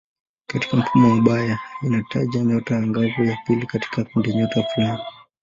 Katika mfumo wa Bayer inataja nyota angavu ya pili katika kundinyota fulani.